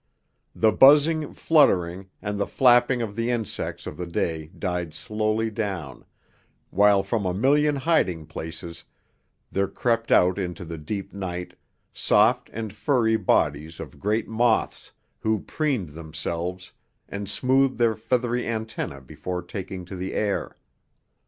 The buzzing, fluttering, and the flapping of the insects of the day died slowly down, while from a million hiding places there crept out into the deep night soft and furry bodies of great moths, who preened themselves and smoothed their feathery antennae before taking to the air.